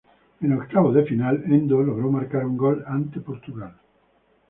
En octavos de final Endo logró marcar un gol ante Portugal.